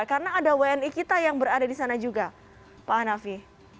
karena ada wni kita yang berada di sana juga pak hanafi